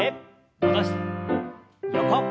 横。